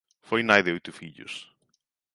Foi nai de oito fillos.